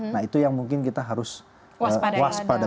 nah itu yang mungkin kita harus waspada